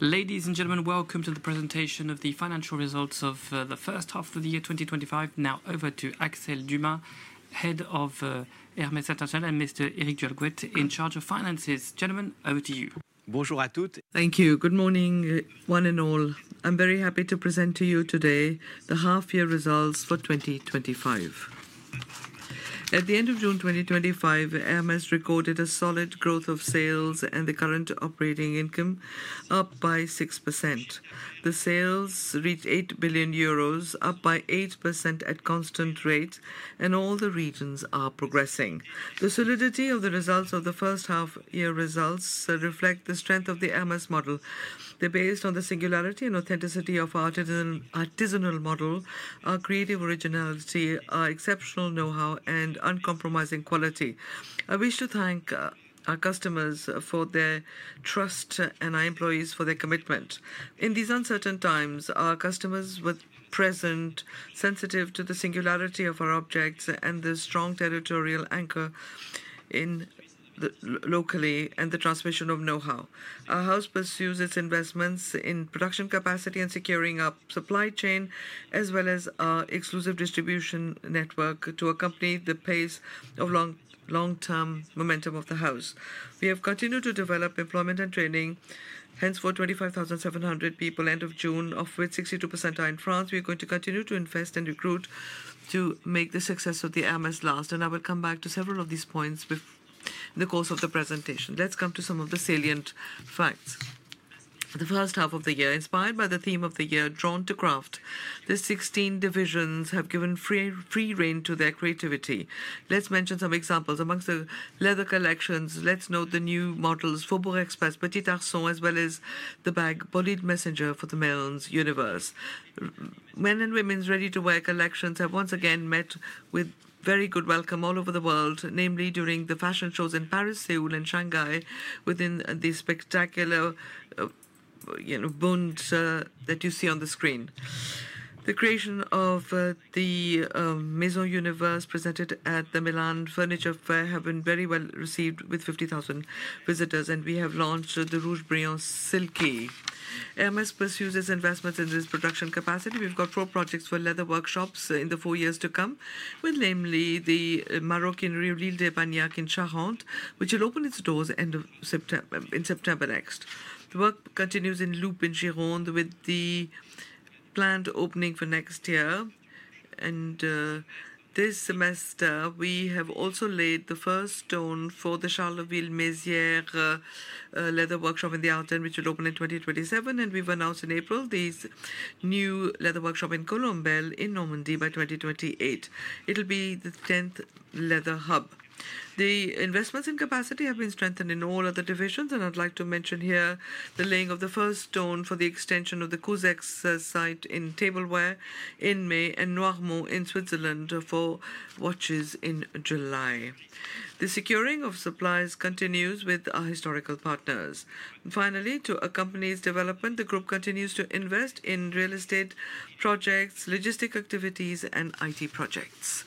Ladies and gentlemen, welcome to the presentation of the financial results of the first half of the year 2025. Now over to Axel Dumas, head of Hermès International, and Mr. Éric du Halgouët, in charge of finances. Gentlemen, over to you. Bonjour à toutes. Thank you. Good morning, one and all. I'm very happy to present to you today the half-year results for 2025. At the end of June 2025, Hermès recorded a solid growth of sales and the current operating income +6%. The sales reached 8 billion euros, +8% at constant rate, and all the regions are progressing. The solidity of the first half-year results reflects the strength of the Hermès model. They're based on the singularity and authenticity of our artisanal model, our creative originality, our exceptional know-how, and uncompromising quality. I wish to thank our customers for their trust and our employees for their commitment. In these uncertain times, our customers were present, sensitive to the singularity of our objects and the strong territorial anchor locally, and the transmission of know-how. Our house pursues its investments in production capacity and securing our supply chain, as well as our exclusive distribution network to accompany the pace of long-term momentum of the house. We have continued to develop employment and training. Hence, for 25,700 people, end of June, off with 62% in France, we are going to continue to invest and recruit to make the success of the Hermès last. And I will come back to several of these points in the course of the presentation. Let's come to some of the salient facts. The first half of the year, inspired by the theme of the year, "Drawn to Craft," the 16 divisions have given free reign to their creativity. Let's mention some examples. Amongst the leather collections, let's note the new models for Faubourg Express, Petit Arceau, as well as the bag Bolide Messenger for the male universe. Men and Women's Ready-to-Wear collections have once again met with very good welcome all over the world, namely during the fashion shows in Paris, Seoul, and Shanghai within the spectacular Bund that you see on the screen. The creation of the maison universe presented at the Milan Furniture Fair has been very well received with 50,000 visitors. We have launched the Rouge Brillant Silky. Hermès pursues its investments in this production capacity. We've got four projects for leather workshops in the four years to come, namely the Maroquinerie à L'Isle-d'Espagnac in Charente, which will open its doors in September next. The work continues in Loupes in Gironde, with the planned opening for next year. This semester, we have also laid the first stone for the Charleville-Mézières leather workshop in the Ardennes, which will open in 2027. We've announced in April the new leather workshop in Colombelles in Normandy by 2028. It'll be the tenth leather hub. The investments in capacity have been strengthened in all other divisions, and I'd like to mention here the laying of the first stone for the extension of the [Cassis] site in Tableware in May and Noirmont in Switzerland for watches in July. The securing of supplies continues with our historical partners. Finally, to accompany its development, the group continues to invest in real estate projects, logistic activities, and IT projects.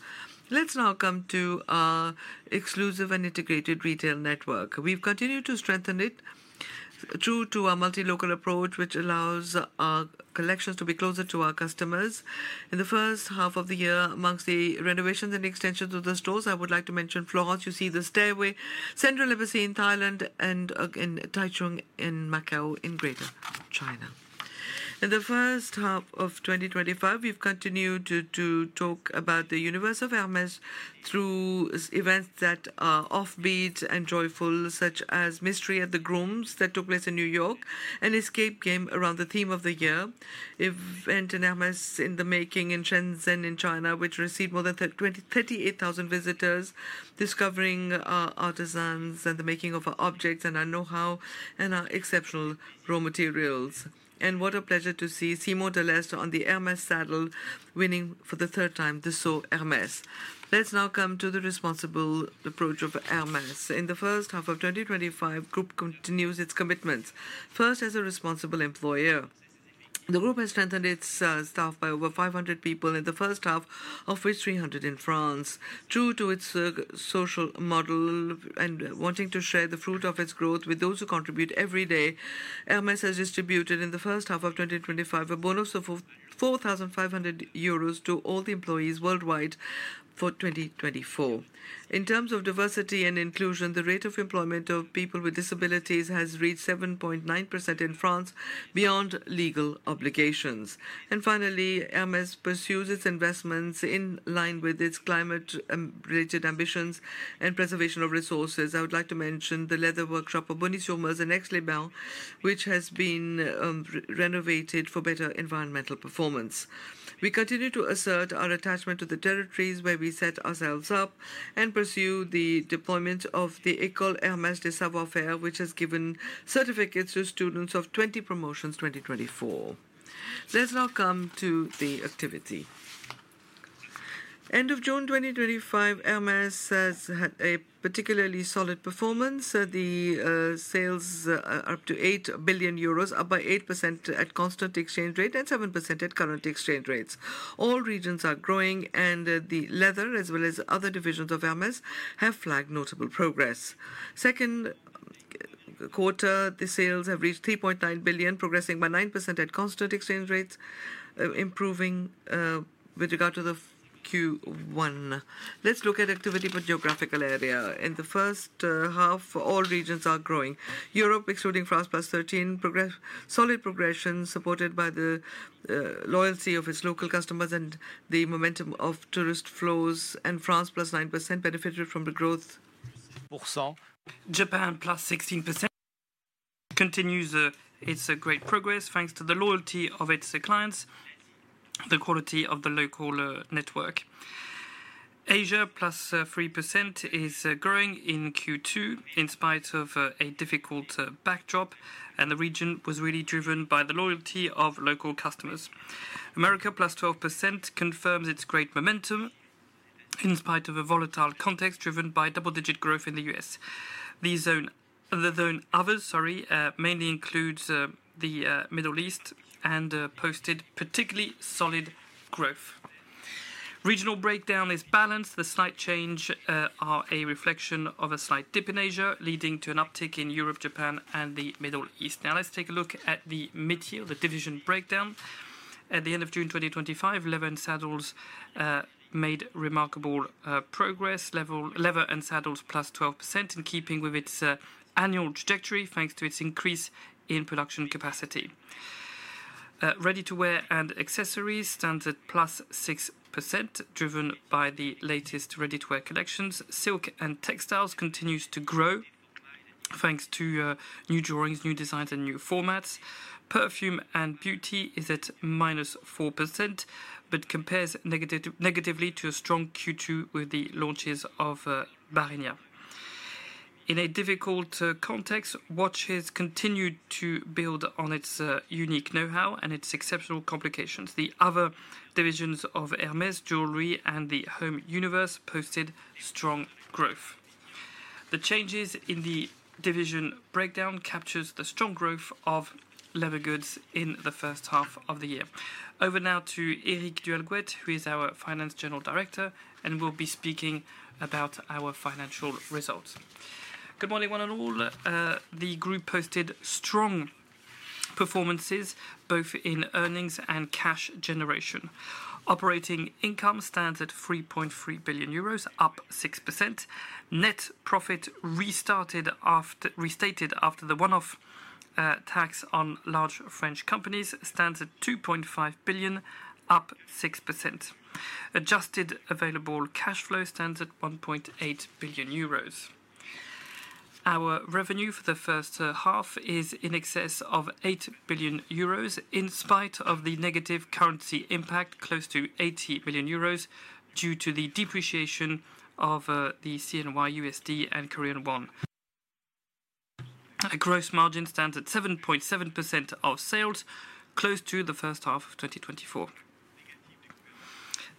Let's now come to our exclusive and integrated retail network. We've continued to strengthen it through to our multi-local approach, which allows our collections to be closer to our customers. In the first half of the year, amongst the renovations and extensions of the stores, I would like to mention Florence. You see the stairway, Central Embassy in Thailand, and in Taichung in Macau in Greater China. In the first half of 2025, we've continued to talk about the universe of Hermès through events that are off-beat and joyful, such as Mystery at the Grooms that took place in New York, an escape game around the theme of the year, events in Hermès in the making in Shenzhen in China, which received more than 38,000 visitors, discovering our artisans and the making of our objects and our know-how and our exceptional raw materials. And what a pleasure to see Simon Delestre on the Hermès saddle, winning for the third time the Sew Hermès. Let's now come to the responsible approach of Hermès. In the first half of 2025, the group continues its commitments, first as a responsible employer. The group has strengthened its staff by over 500 people, in the first half of which 300 in France. True to its social model and wanting to share the fruit of its growth with those who contribute every day, Hermès has distributed in the first half of 2025 a bonus of 4,500 euros to all the employees worldwide for 2024. In terms of diversity and inclusion, the rate of employment of people with disabilities has reached 7.9% in France, beyond legal obligations. And finally, Hermès pursues its investments in line with its climate-related ambitions and preservation of resources. I would like to mention the leather workshop of Bourgoin-Jallieu and Aix-les-Bains, which has been renovated for better environmental performance. We continue to assert our attachment to the territories where we set ourselves up and pursue the deployment of the École Hermès des savoir-faire, which has given certificates to students of 20 promotions 2024. Let's now come to the activity. End of June 2025, Hermès has had a particularly solid performance. The sales are up to 8 billion euros, +8% at constant exchange rate and 7% at current exchange rates. All regions are growing, and the leather, as well as other divisions of Hermès, have flagged notable progress. Second quarter, the sales have reached 3.9 billion, progressing by 9% at constant exchange rates, improving with regard to the Q1. Let's look at activity for geographical area. In the first half, all regions are growing. Europe, excluding France, +13%, solid progression supported by the loyalty of its local customers and the momentum of tourist flows, and France +9% benefited from the growth. Japan +16% continues its great progress thanks to the loyalty of its clients, the quality of the local network. Asia +3% is growing in Q2 in spite of a difficult backdrop, and the region was really driven by the loyalty of local customers. AmÉrica +12% confirms its great momentum in spite of a volatile context driven by double-digit growth in the U.S. The zone others, sorry, mainly includes the Middle East and posted particularly solid growth. Regional breakdown is balanced. The slight change is a reflection of a slight dip in Asia, leading to an uptick in Europe, Japan, and the Middle East. Now let's take a look at the mid-year, the division breakdown. At the end of June 2025, leather and saddles made remarkable progress. Leather and saddles +12% in keeping with its annual trajectory thanks to its increase in production capacity. Ready-to-wear and accessories stand at +6%, driven by the latest ready-to-wear collections. Silk and textiles continue to grow thanks to new drawings, new designs, and new formats. Perfume and beauty is at -4% but compares negatively to a strong Q2 with the launches of Barenia. In a difficult context, watches continue to build on its unique know-how and its exceptional complications. The other divisions of Hermès, jewelry, and the Home Universe posted strong growth. The changes in the division breakdown capture the strong growth of leather goods in the first half of the year. Over now to Éric du Halgouët, who is our Finance General Director and will be speaking about our financial results. Good morning, one and all. The group posted strong performances both in earnings and cash generation. Operating income stands at 3.3 billion euros, up 6%. Net profit restated after the one-off tax on large French companies stands at 2.5 billion, up 6%. Adjusted available cash flow stands at 1.8 billion euros. Our revenue for the first half is in excess of 8 billion euros in spite of the negative currency impact, close to 80 billion euros due to the depreciation of the CNY USD and Korean Won. Gross margin stands at 7.7% of sales, close to the first half of 2024.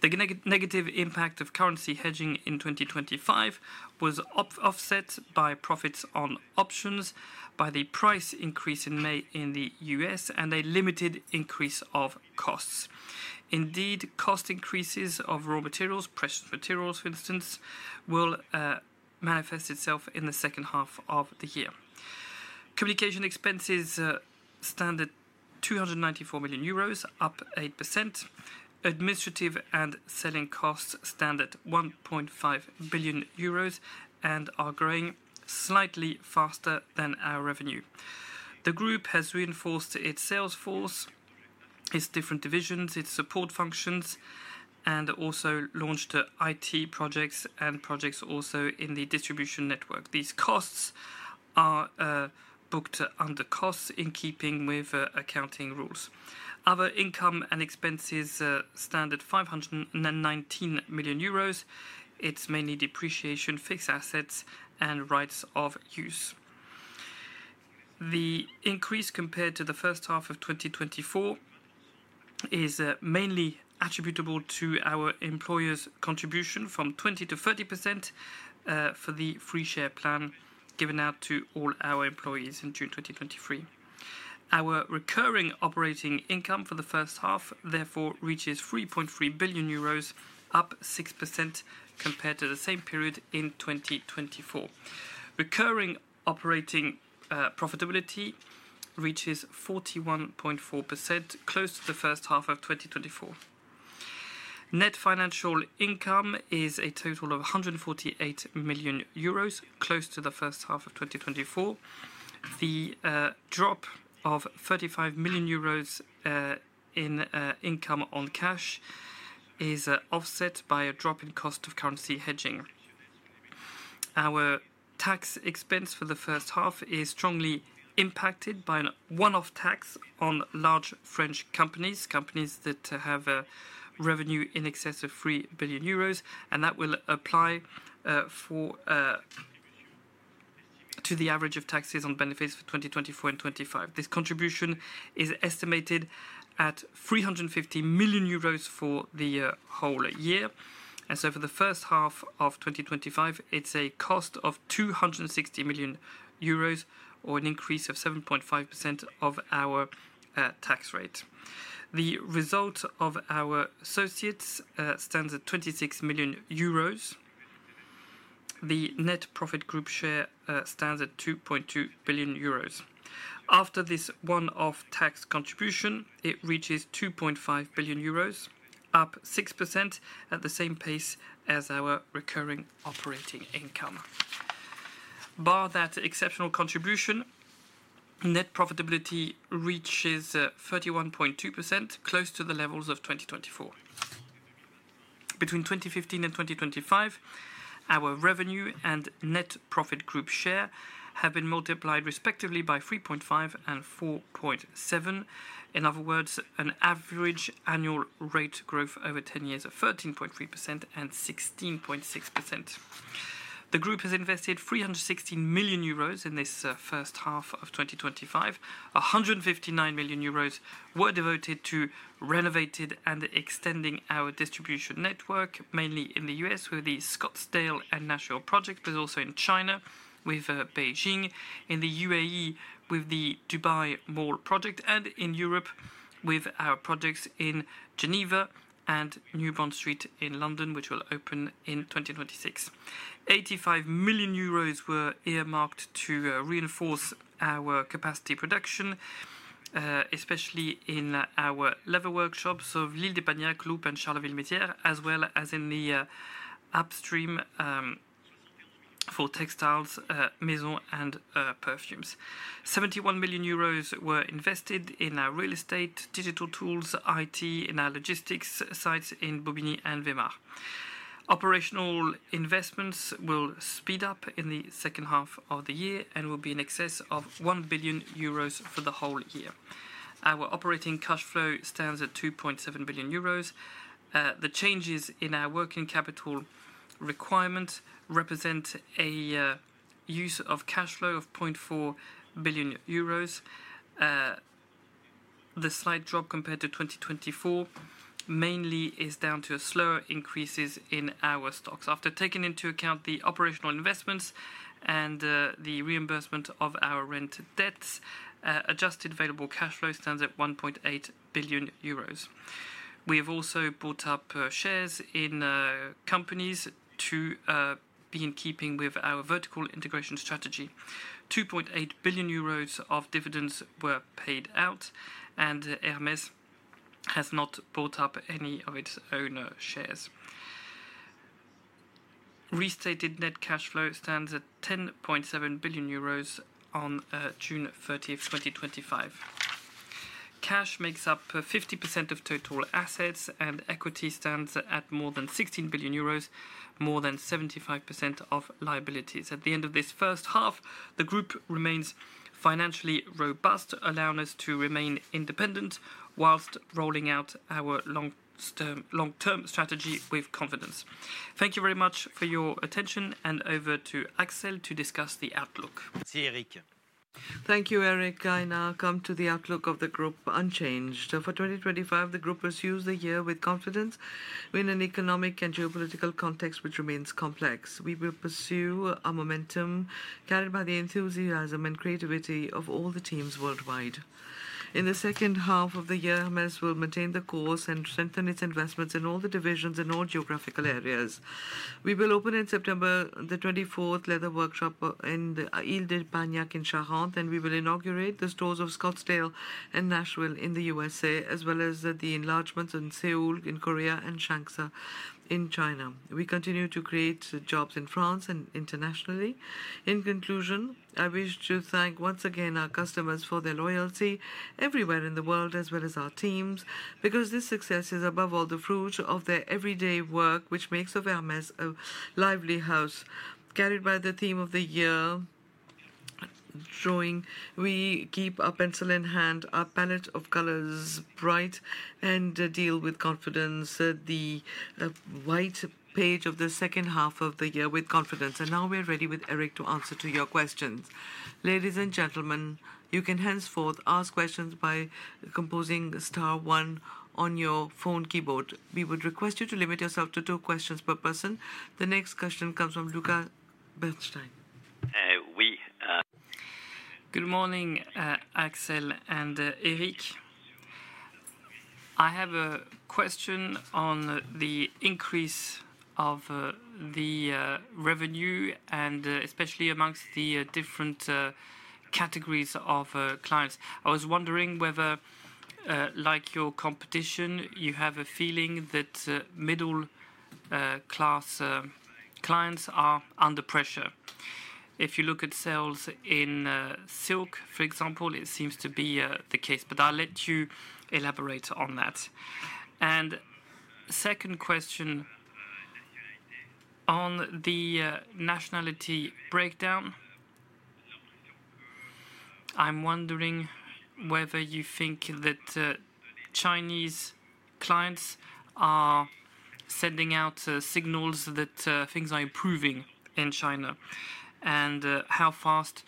The negative impact of currency hedging in 2025 was offset by profits on options, by the price increase in May in the US, and a limited increase of costs. Indeed, cost increases of raw materials, precious materials, for instance, will manifest itself in the second half of the year. Communication expenses stand at 294 million euros, up 8%. Administrative and selling costs stand at 1.5 billion euros and are growing slightly faster than our revenue. The group has reinforced its sales force, its different divisions, its support functions, and also launched IT projects and projects also in the distribution network. These costs are booked under costs in keeping with accounting rules. Other income and expenses stand at 519 million euros. It's mainly depreciation, fixed assets, and rights of use. The increase compared to the first half of 2024 is mainly attributable to our employers' contribution from 20% to 30% for the free share plan given out to all our employees in June 2023. Our recurring operating income for the first half, therefore, reaches 3.3 billion euros, +6% compared to the same period in 2024. Recurring operating profitability reaches 41.4%, close to the first half of 2024. Net financial income is a total of 148 million euros, close to the first half of 2024. The drop of 35 million euros in income on cash is offset by a drop in cost of currency hedging. Our tax expense for the first half is strongly impacted by a one-off tax on large French companies, companies that have revenue in excess of 3 billion euros, and that will apply to the average of taxes on benefits for 2024 and 2025. This contribution is estimated at 350 million euros for the whole year. And so for the first half of 2025, it's a cost of 260 million euros or an increase of 7.5% of our tax rate. The result of our associates stands at 26 million euros. The net profit group share stands at 2.2 billion euros. After this one-off tax contribution, it reaches 2.5 billion euros, +6% at the same pace as our recurring operating income. Bar that exceptional contribution, net profitability reaches 31.2%, close to the levels of 2024. Between 2015 and 2025, our revenue and net profit group share have been multiplied respectively by 3.5% and 4.7%. In other words, an average annual rate growth over 10 years of 13.3% and 16.6%. The group has invested 316 million euros in this first half of 2025. 159 million euros were devoted to renovating and extending our distribution network, mainly in the U.S.u with the Scottsdale and Nashville project, but also in China with Beijing, in the U.A.E. with the Dubai Mall project, and in Europe with our projects in Geneva and New Bond Street in London, which will open in 2026. 85 million euros were earmarked to reinforce our capacity production, especially in our leather workshops of L'Isle-d'Espagnac, Loupes, and Charleville-Mézières, as well as in the upstream for textiles, maisons, and perfumes. 71 million euros were invested in our real estate, digital tools, IT, and our logistics sites in Bobigny and Vémars. Operational investments will speed up in the second half of the year and will be in excess of 1 billion euros for the whole year. Our operating cash flow stands at 2.7 billion euros. The changes in our working capital requirement represent a use of cash flow of 0.4 billion euros. The slight drop compared to 2024 mainly is down to slower increases in our stocks. After taking into account the operational investments and the reimbursement of our rent debts, adjusted available cash flow stands at 1.8 billion euros. We have also bought up shares in companies to be in keeping with our vertical integration strategy. 2.8 billion euros of dividends were paid out, and Hermès has not bought up any of its own shares. Restated net cash flow stands at 10.7 billion euros on June 30, 2025. Cash makes up 50% of total assets, and equity stands at more than 16 billion euros, more than 75% of liabilities. At the end of this first half, the group remains financially robust, allowing us to remain independent whilst rolling out our long-term strategy with confidence. Thank you very much for your attention, and over to Axel to discuss the outlook. Merci, Éric. Thank you, Éric. I now come to the outlook of the group, unchanged. For 2025, the group will sue the year with confidence in an economic and geopolitical context which remains complex. We will pursue a momentum carried by the enthusiasm and creativity of all the teams worldwide. In the second half of the year, Hermès will maintain the course and strengthen its investments in all the divisions and all geographical areas. We will open in September the 24th leather workshop in the L'Isle-d'Espagnac in Charente, and we will inaugurate the stores of Scottsdale and Nashville in the U.S.A., as well as the enlargements in Seoul, in Korea, and Shanghai in China. We continue to create jobs in France and internationally. In conclusion, I wish to thank once again our customers for their loyalty everywhere in the world, as well as our teams, because this success is above all the fruit of their everyday work, which makes of Hermès a lively house. Carried by the theme of the year, drawing, we keep our pencil in hand, our palette of colors bright, and deal with confidence the white page of the second half of the year with confidence. And now we are ready with Éric to answer your questions. Ladies and gentlemen, you can henceforth ask questions by composing *1 on your phone keyboard. We would request you to limit yourself to two questions per person. The next question comes from Luca Bernstein. Oui. Good morning, Axel and Éric. I have a question on the increase of the revenue, and especially amongst the different categories of clients. I was wondering whether, like your competition, you have a feeling that middle-class clients are under pressure. If you look at sales in silk, for example, it seems to be the case, but I'll let you elaborate on that. And second question on the nationality breakdown, I'm wondering whether you think that Chinese clients are sending out signals that things are improving in China, and how fast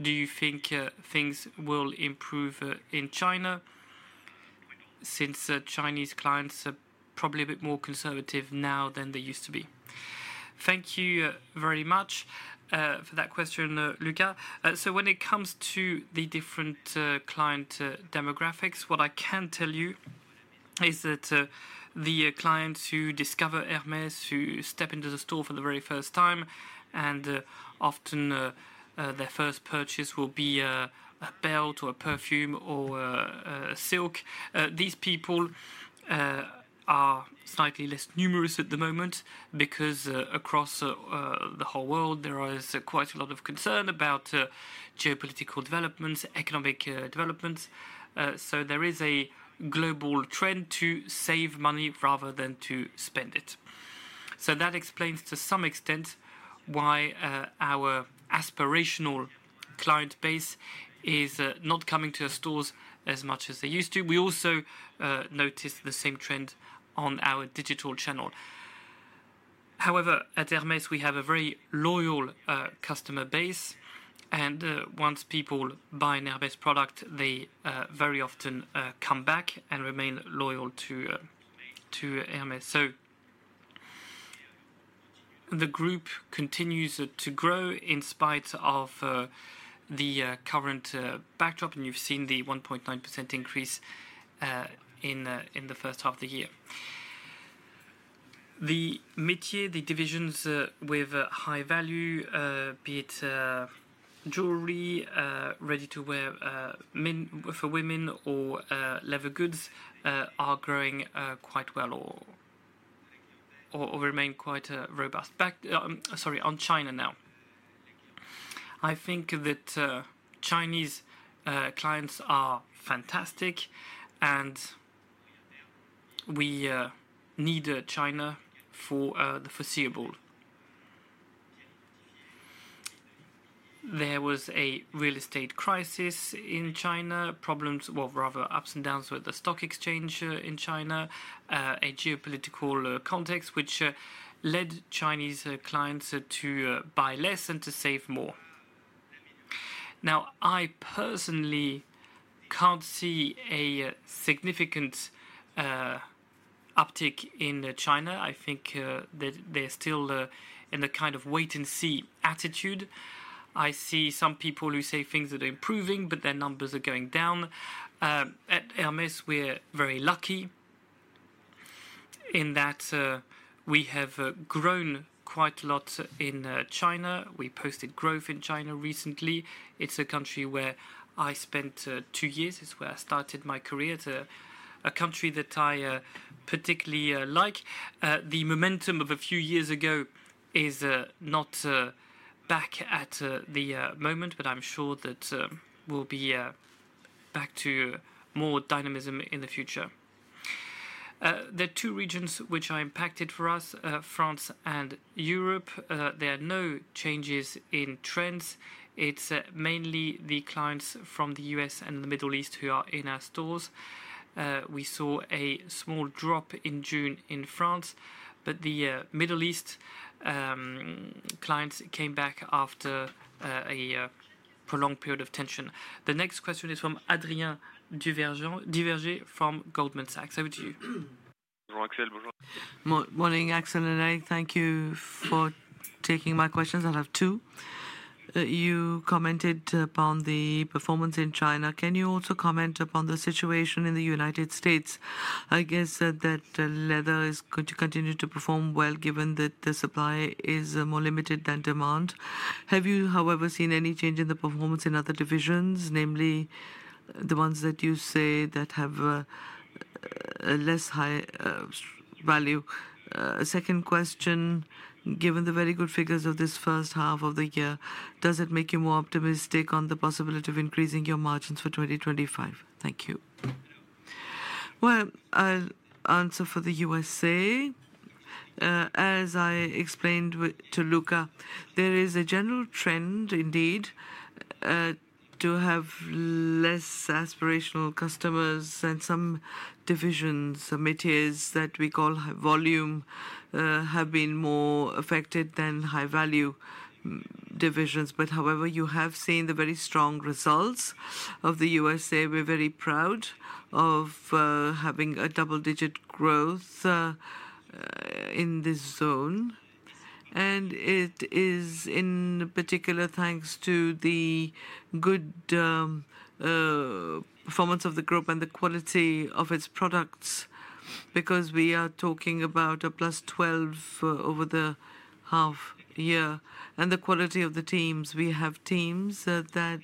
do you think things will improve in China since Chinese clients are probably a bit more conservative now than they used to be. Thank you very much for that question, Luca. So when it comes to the different client demographics, what I can tell you is that the clients who discover Hermès, who step into the store for the very first time, and often their first purchase will be a belt or a perfume or silk, these people are slightly less numerous at the moment because across the whole world, there is quite a lot of concern about geopolitical developments, economic developments. So there is a global trend to save money rather than to spend it. So that explains to some extent why our aspirational client base is not coming to our stores as much as they used to. We also notice the same trend on our digital channel. However, at Hermès, we have a very loyal customer base, and once people buy an Hermès product, they very often come back and remain loyal to Hermès. So the group continues to grow in spite of the current backdrop, and you've seen the 1.9% increase in the first half of the year. The métiers, the divisions with high value, be it jewelry, ready-to-wear for women or leather goods, are growing quite well or remain quite robust. Sorry, on China now. I think that Chinese clients are fantastic, and we need China for the foreseeable. There was a real estate crisis in China, problems or rather ups and downs with the stock exchange in China, a geopolitical context which led Chinese clients to buy less and to save more. Now, I personally can't see a significant uptick in China. I think that they're still in a kind of wait-and-see attitude. I see some people who say things that are improving, but their numbers are going down. At Hermès, we're very lucky in that we have grown quite a lot in China. We posted growth in China recently. It's a country where I spent two years. It's where I started my career. It's a country that I particularly like. The momentum of a few years ago is not back at the moment, but I'm sure that we'll be back to more dynamism in the future. There are two regions which are impacted for us: France and Europe. There are no changes in trends. It's mainly the clients from the US and the Middle East who are in our stores. We saw a small drop in June in France, but the Middle East clients came back after a prolonged period of tension. The next question is from Adrien Duverger from Goldman Sachs. Over to you. Bonjour, Axel. Morning, Axel and Éric. Thank you for taking my questions. I have two. You commented upon the performance in China. Can you also comment upon the situation in the United States? I guess that leather is going to continue to perform well given that the supply is more limited than demand. Have you, however, seen any change in the performance in other divisions, namely the ones that you say that have less high value? Second question, given the very good figures of this first half of the year, does it make you more optimistic on the possibility of increasing your margins for 2025? Thank you. Well, I'll answer for the U.S.A.. As I explained to Luca, there is a general trend indeed to have less aspirational customers and some divisions, métiers that we call high volume, have been more affected than high-value divisions. But however, you have seen the very strong results of the U.S.A.. We're very proud of having a double-digit growth in this zone. And it is in particular thanks to the good performance of the group and the quality of its products because we are talking about a +12 over the half year. And the quality of the teams. We have teams that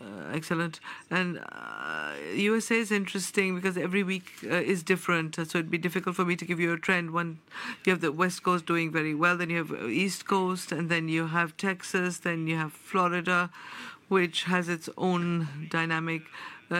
are excellent. And the U.S.A. is interesting because every week is different. So it'd be difficult for me to give you a trend. You have the West Coast doing very well. Then you have the East Coast. And then you have Texas. Then you have Florida, which has its own dynamic.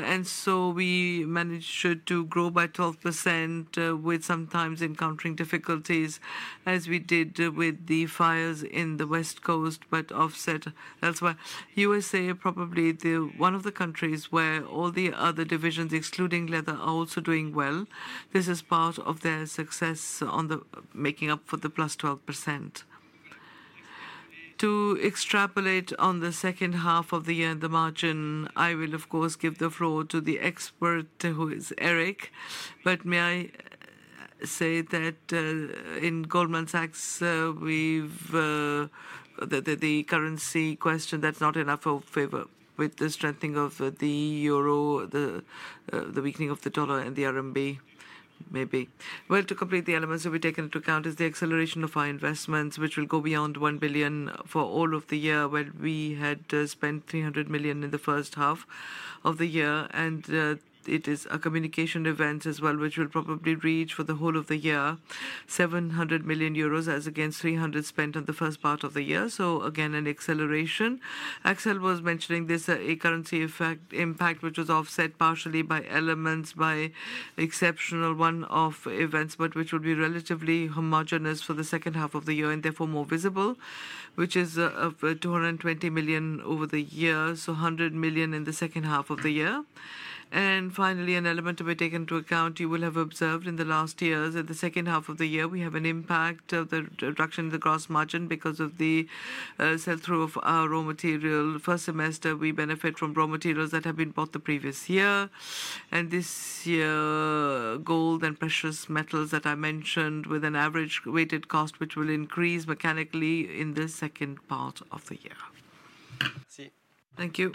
And so we managed to grow by 12% with sometimes encountering difficulties as we did with the fires in the West Coast, but offset elsewhere. The U.S.A. is probably one of the countries where all the other divisions, excluding leather, are also doing well. This is part of their success on making up for the +12%. To extrapolate on the second half of the year and the margin, I will, of course, give the floor to the expert who is Éric. But may I say that in Goldman Sachs, we've the currency question, that's not in our favor with the strengthening of the euro, the weakening of the dollar, and the RMB maybe. Well, to complete the elements that we've taken into account is the acceleration of our investments, which will go beyond 1 billion for all of the year, where we had spent 300 million in the first half of the year. And it is a communication event as well, which will probably reach for the whole of the year, 700 million euros as against 300 million spent in the first part of the year. So again, an acceleration. Axel was mentioning this currency effect impact, which was offset partially by elements, by exceptional one-off events, but which will be relatively homogenous for the second half of the year and therefore more visible, which is 220 million over the year, so 100 million in the second half of the year. And finally, an element to be taken into account you will have observed in the last years. In the second half of the year, we have an impact of the reduction in the gross margin because of the sell-through of raw material. First semester, we benefit from raw materials that have been bought the previous year. And this year, gold and precious metals that I mentioned with an average weighted cost, which will increase mechanically in the second part of the year. Thank you.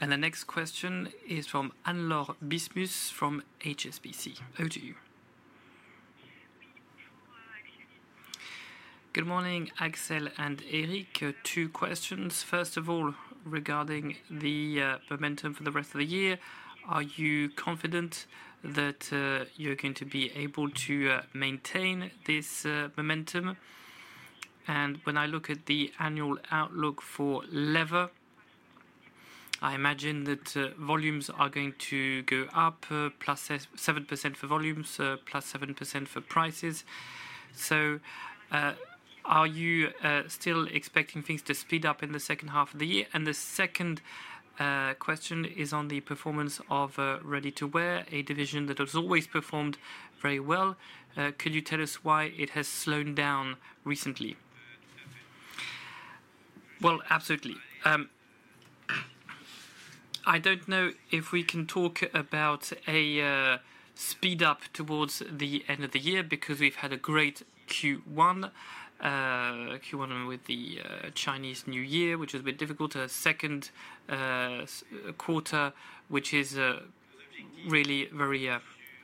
And the next question is from Anne-Laure Bismuth from HSBC. Over to you. Good morning, Axel and Éric. Two questions. First of all, regarding the momentum for the rest of the year, are you confident that you're going to be able to maintain this momentum? And when I look at the annual outlook for leather, I imagine that volumes are going to go up, +7% for volumes, +7% for prices. So are you still expecting things to speed up in the second half of the year? And the second question is on the performance of ready-to-wear, a division that has always performed very well. Could you tell us why it has slowed down recently? Well, absolutely. I don't know if we can talk about a speed-up towards the end of the year because we've had a great Q1, Q1 with the Chinese New Year, which has been difficult, a second quarter, which is really very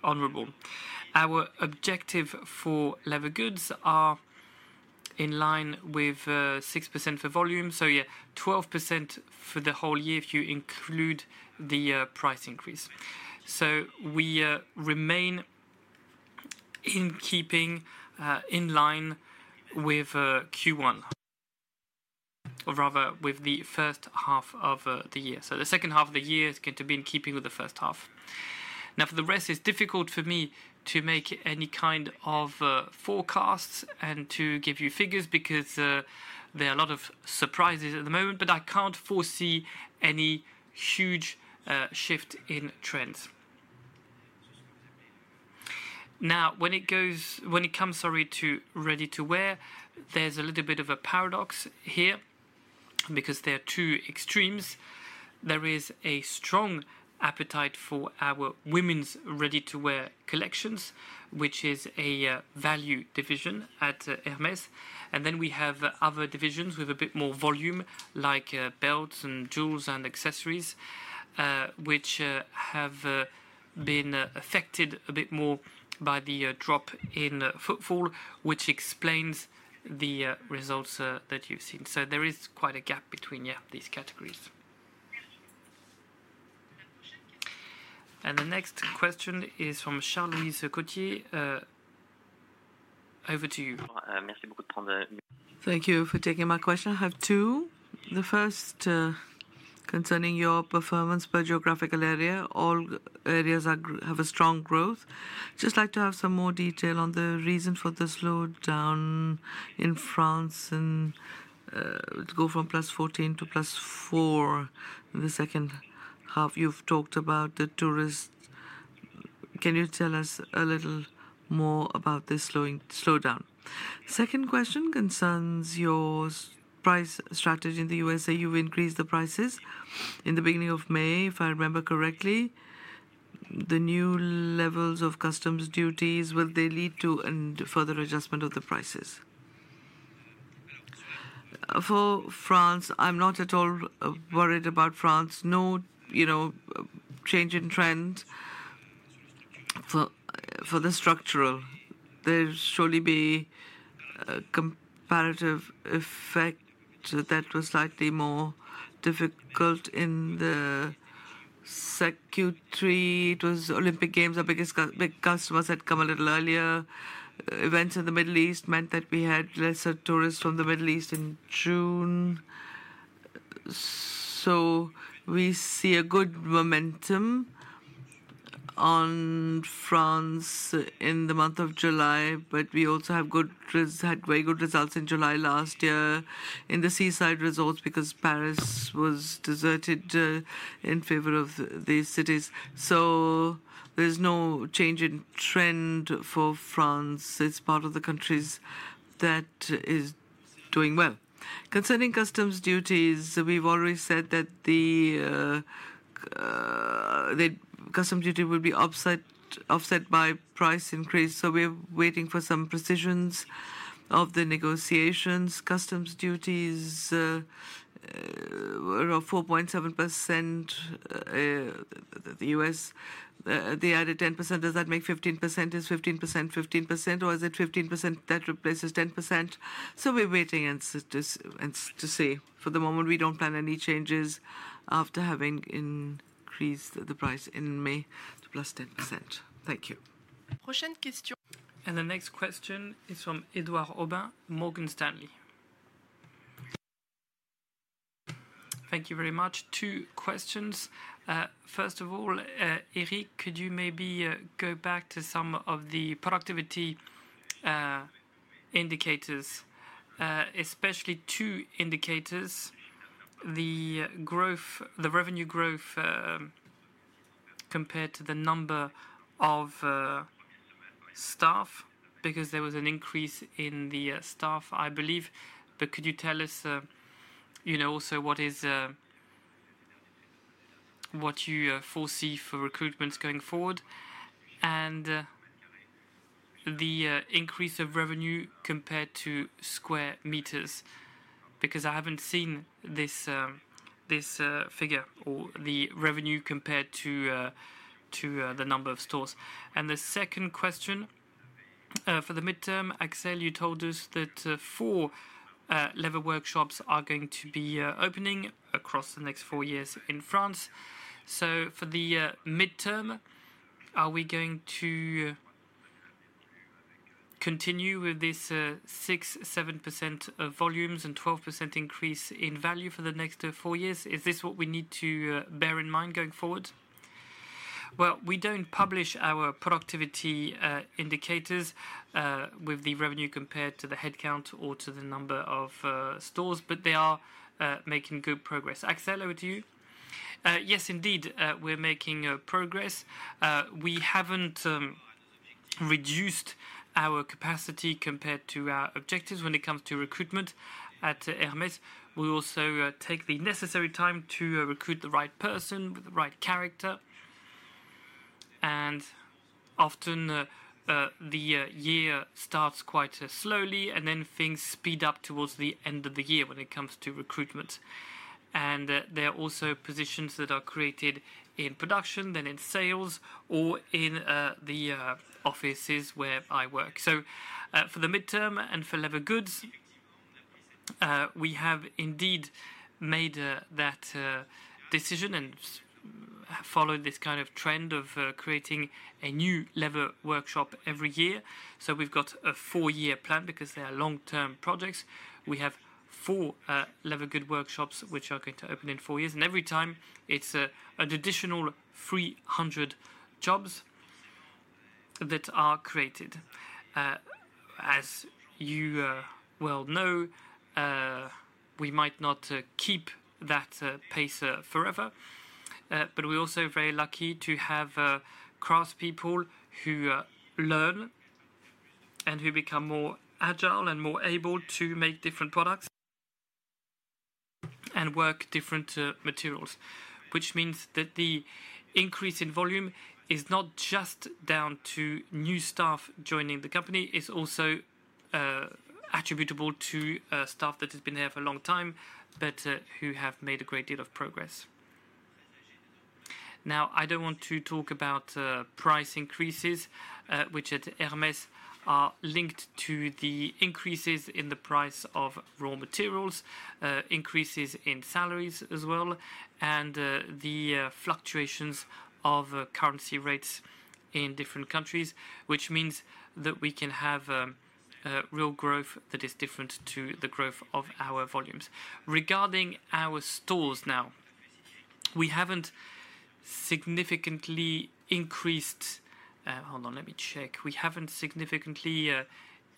honorable. Our objective for leather goods is in line with 6% for volume, so 12% for the whole year if you include the price increase. So we remain in keeping in line with Q1, or rather with the first half of the year. So the second half of the year is going to be in keeping with the first half. Now, for the rest, it's difficult for me to make any kind of forecasts and to give you figures because there are a lot of surprises at the moment, but I can't foresee any huge shift in trends. Now, when it comes, sorry, to ready-to-wear, there's a little bit of a paradox here because there are two extremes. There is a strong appetite for our women's ready-to-wear collections, which is a value division at Hermès. And then we have other divisions with a bit more volume, like belts and jewels and accessories, which have been affected a bit more by the drop in footfall, which explains the results that you've seen. So there is quite a gap between these categories. And the next question is from Charles-Louis Scotti. Over to you. Thank you for taking my question. I have two. The first concerning your performance per geographical area. All areas have a strong growth. Just like to have some more detail on the reason for the slowdown in France and go from +14 to +4 in the second half. You've talked about the tourists. Can you tell us a little more about this slowdown? Second question concerns your price strategy in the U.S.A.. You've increased the prices in the beginning of May, if I remember correctly. The new levels of customs duties, will they lead to further adjustment of the prices? For France, I'm not at all worried about France. No change in trend for the structural. There should be a comparative effect that was slightly more difficult in the second. 2023, it was Olympic Games. Our biggest customers had come a little earlier. Events in the Middle East meant that we had lesser tourists from the Middle East in June. So we see a good momentum on France in the month of July, but we also had very good results in July last year in the seaside resorts because Paris was deserted in favor of these cities. So there's no change in trend for France. It's part of the countries that is doing well. Concerning customs duties, we've already said that customs duty will be offset by price increase. So we're waiting for some precisions of the negotiations. Customs duties were 4.7%. The U.S., they added 10%. Does that make 15%? Is 15% 15%, or is it 15% that replaces 10%? So we're waiting to see. For the moment, we don't plan any changes after having increased the price in May to +10%. Thank you. And the next question is from Edouard Aubin, Morgan Stanley. Thank you very much. Two questions. First of all, Éric, could you maybe go back to some of the productivity indicators, especially two indicators: the revenue growth compared to the number of staff, because there was an increase in the staff, I believe. But could you tell us also what you foresee for recruitments going forward and the increase of revenue compared to square meters? Because I haven't seen this figure or the revenue compared to the number of stores. And the second question for the midterm, Axel, you told us that four leather workshops are going to be opening across the next four years in France. So for the midterm, are we going to continue with this 6%, 7% volumes and 12% increase in value for the next four years? Is this what we need to bear in mind going forward? Well, we don't publish our productivity indicators with the revenue compared to the headcount or to the number of stores, but they are making good progress. Axel, over to you. Yes, indeed, we're making progress. We haven't reduced our capacity compared to our objectives when it comes to recruitment at Hermès. We also take the necessary time to recruit the right person with the right character. And often, the year starts quite slowly, and then things speed up towards the end of the year when it comes to recruitment. And there are also positions that are created in production, then in sales, or in the offices where I work. So for the midterm and for leather goods, we have indeed made that decision and followed this kind of trend of creating a new leather workshop every year. So we've got a four-year plan because they are long-term projects. We have four leather good workshops which are going to open in four years. And every time, it's an additional 300 jobs that are created. As you well know, we might not keep that pace forever. But we're also very lucky to have craftspeople who learn and who become more agile and more able to make different products and work different materials, which means that the increase in volume is not just down to new staff joining the company. It's also attributable to staff that have been there for a long time, but who have made a great deal of progress. Now, I don't want to talk about price increases, which at Hermès are linked to the increases in the price of raw materials, increases in salaries as well, and the fluctuations of currency rates in different countries, which means that we can have real growth that is different to the growth of our volumes. Regarding our stores now, we haven't significantly increased—hold on, let me check—we haven't significantly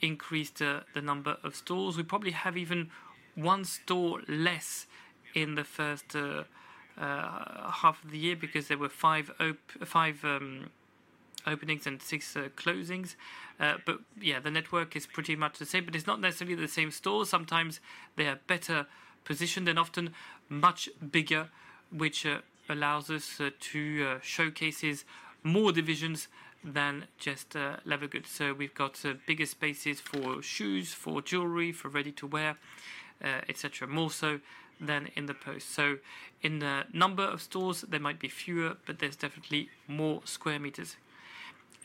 increased the number of stores. We probably have even one store less in the first half of the year because there were five openings and six closings. But yeah, the network is pretty much the same, but it's not necessarily the same stores. Sometimes they are better positioned and often much bigger, which allows us to showcase more divisions than just leather goods. So we've got bigger spaces for shoes, for jewelry, for ready-to-wear, etc., more so than in the post. So in the number of stores, there might be fewer, but there's definitely more square meters.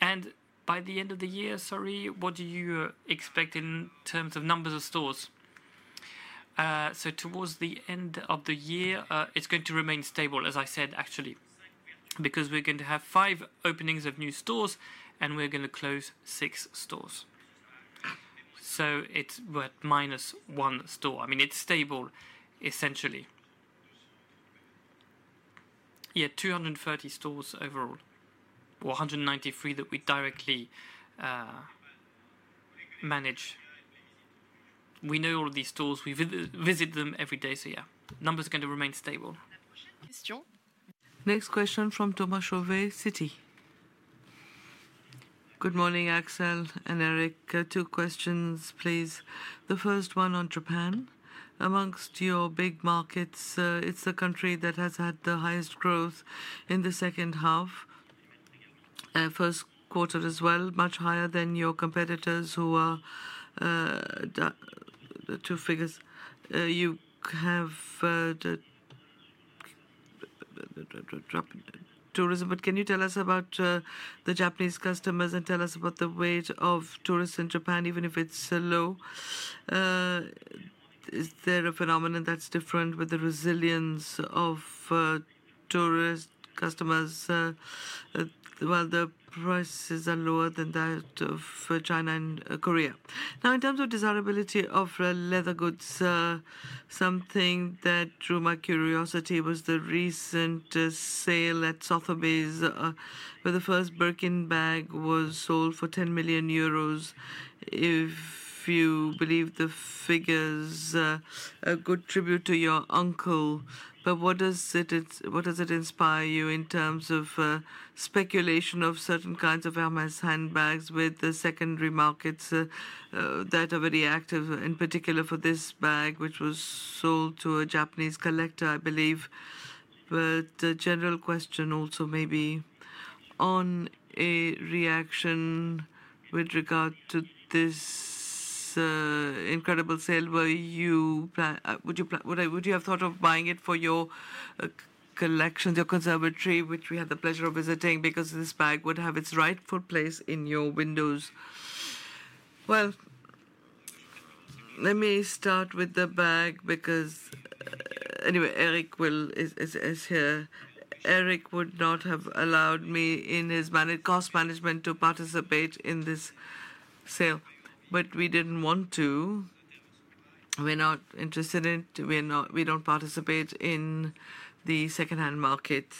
And by the end of the year, sorry, what do you expect in terms of numbers of stores? So towards the end of the year, it's going to remain stable, as I said, actually, because we're going to have five openings of new stores and we're going to close six stores. So it's worth minus one store. I mean, it's stable, essentially. Yeah, 230 stores overall, or 193 that we directly manage. We know all these stores. We visit them every day. So yeah, numbers are going to remain stable. Next question from Thomas Chauvet, Citi. Good morning, Axel and Éric. Two questions, please. The first one on Japan. Amongst your big markets, it's the country that has had the highest growth in the second half, first quarter as well, much higher than your competitors who are two figures. You have tourism, but can you tell us about the Japanese customers and tell us about the weight of tourists in Japan, even if it's low? Is there a phenomenon that's different with the resilience of tourist customers while the prices are lower than that of China and Korea? Now, in terms of desirability of leather goods, something that drew my curiosity was the recent sale at Sotheby's where the first Birkin bag was sold for 10 million euros, if you believe the figures are a good tribute to your uncle. But what does it inspire you in terms of speculation of certain kinds of Hermès handbags with the secondary markets that are very active, in particular for this bag, which was sold to a Japanese collector, I believe. But a general question also maybe on a reaction with regard to this incredible sale where you would have thought of buying it for your collections, your conservatory, which we had the pleasure of visiting because this bag would have its rightful place in your windows. Well, let me start with the bag because anyway, Éric is here. Éric would not have allowed me in his cost management to participate in this sale, but we didn't want to. We're not interested in it. We don't participate in the secondhand market.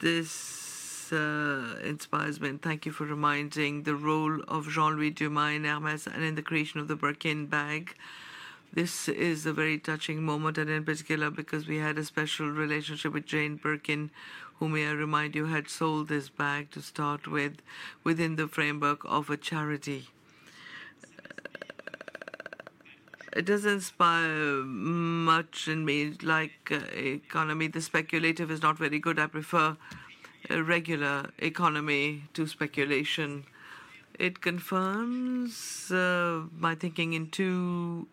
This inspires me. And thank you for reminding the role of Jean-Louis Dumas, Hermès, and in the creation of the Birkin bag. This is a very touching moment and in particular because we had a special relationship with Jane Birkin, whom we remind you had sold this bag to start with within the framework of a charity. It doesn't inspire much in me, like economy. The speculative is not very good. I prefer a regular economy to speculation. It confirms my thinking in two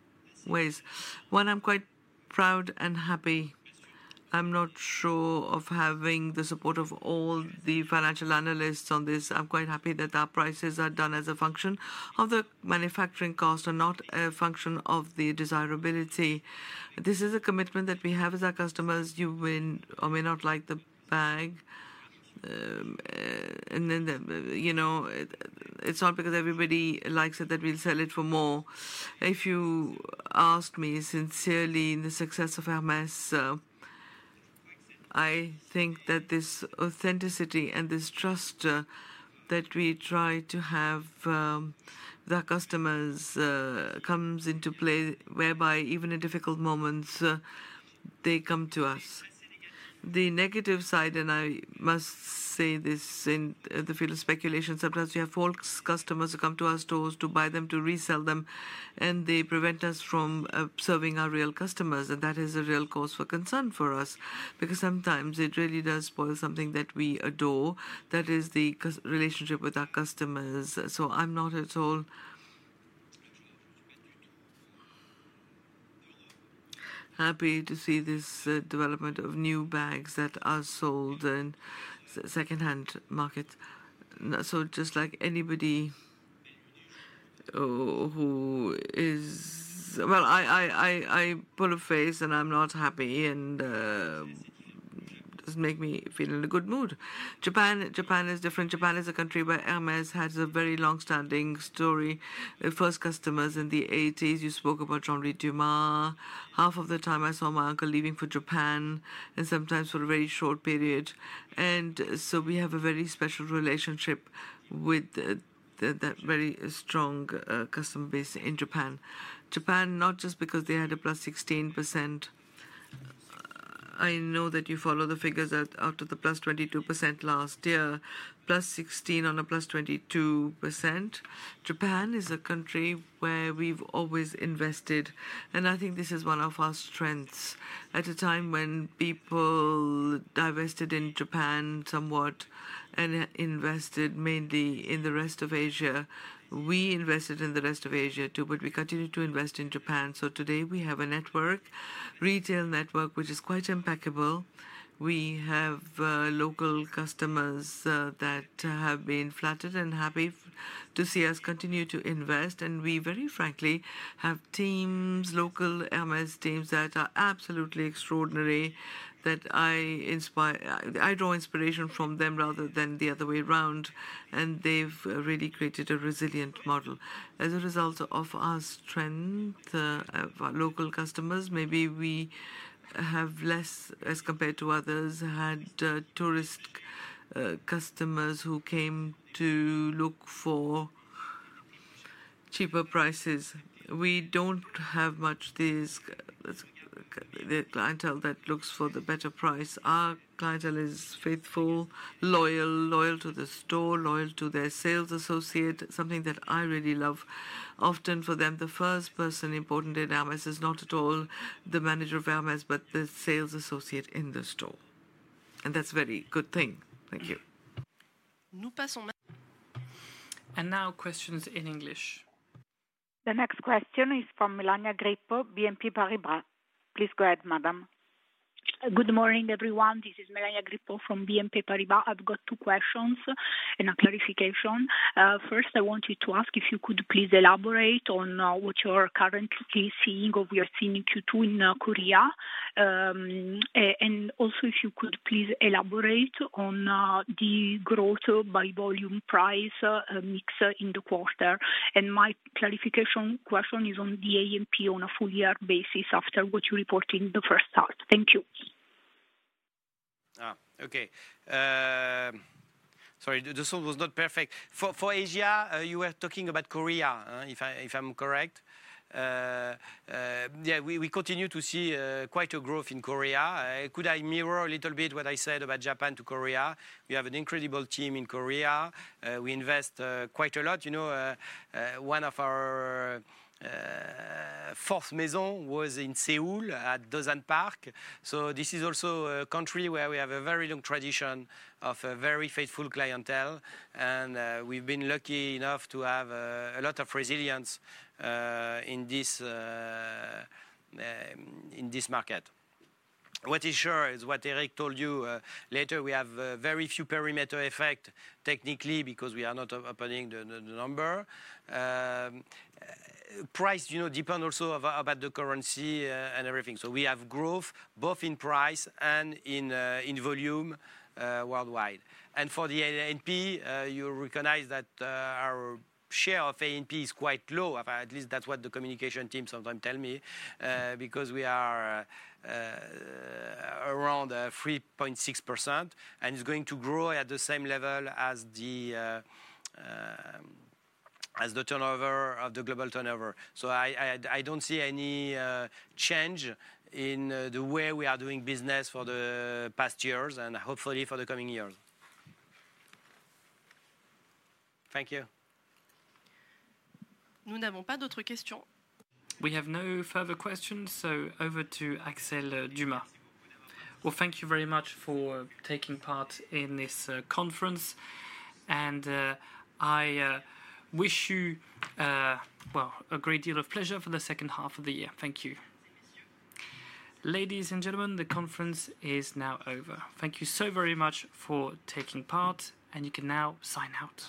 ways. One, I'm quite proud and happy. I'm not sure of having the support of all the financial analysts on this. I'm quite happy that our prices are done as a function of the manufacturing cost and not a function of the desirability. This is a commitment that we have as our customers. You may or may not like the bag. And then it's not because everybody likes it that we'll sell it for more. If you ask me sincerely the success of Hermès, I think that this authenticity and this trust that we try to have with our customers comes into play, whereby even in difficult moments, they come to us. The negative side, and I must say this in the field of speculation, sometimes we have false customers who come to our stores to buy them, to resell them, and they prevent us from serving our real customers. And that is a real cause for concern for us because sometimes it really does spoil something that we adore, that is the relationship with our customers. So I'm not at all happy to see this development of new bags that are sold in secondhand markets. So just like anybody who is, well, I pull a face and I'm not happy, and it doesn't make me feel in a good mood. Japan is different. Japan is a country where Hermès has a very long-standing story. First customers in the '80s, you spoke about Jean-Louis Dumas. Half of the time, I saw my uncle leaving for Japan and sometimes for a very short period. And so we have a very special relationship with that very strong customer base in Japan. Japan, not just because they had a +16%. I know that you follow the figures out of the +22% last year, +16 on a +22%. Japan is a country where we've always invested, and I think this is one of our strengths. At a time when people divested in Japan somewhat and invested mainly in the rest of Asia, we invested in the rest of Asia too, but we continue to invest in Japan. So today, we have a network, retail network, which is quite impeccable. We have local customers that have been flattered and happy to see us continue to invest. And we, very frankly, have teams, local Hermès teams that are absolutely extraordinary that I draw inspiration from them rather than the other way around. And they've really created a resilient model. As a result of our strength, our local customers, maybe we have less as compared to others, had tourist customers who came to look for cheaper prices. We don't have much of the clientele that looks for the better price. Our clientele is faithful, loyal, loyal to the store, loyal to their sales associate, something that I really love. Often for them, the first person important in Hermès is not at all the manager of Hermès, but the sales associate in the store. And that's a very good thing. Thank you. And now questions in English. The next question is from Melania Grippo, BNP Paribas. Please go ahead, madam. Good morning, everyone. This is Melania Grippo from BNP Paribas. I've got two questions and a clarification. First, I want to ask if you could please elaborate on what you're currently seeing of your Q2 in Korea. And also, if you could please elaborate on the growth by volume price mix in the quarter. And my clarification question is on the A&P on a full-year basis after what you reported in the first half. Thank you. Okay. Sorry, the sound was not perfect. For Asia, you were talking about Korea, if I'm correct. Yeah, we continue to see quite a growth in Korea. Could I mirror a little bit what I said about Japan to Korea? We have an incredible team in Korea. We invest quite a lot. One of our fourth maisons was in Seoul at Dosan Park. So this is also a country where we have a very long tradition of a very faithful clientele. And we've been lucky enough to have a lot of resilience in this market. What is sure is what Éric told you later. We have very few perimeter effects technically because we are not opening the number. Price depends also about the currency and everything. So we have growth both in price and in volume worldwide. And for the A&P, you recognize that our share of A&P is quite low. At least that's what the communication team sometimes tells me because we are around 3.6%. And it's going to grow at the same level as the turnover of the global turnover. So I don't see any change in the way we are doing business for the past years and hopefully for the coming years. Thank you. We have no further questions. So over to Axel Dumas. Well, thank you very much for taking part in this conference. And I wish you, well, a great deal of pleasure for the second half of the year. Thank you. Ladies and gentlemen, the conference is now over. Thank you so very much for taking part, and you can now sign out.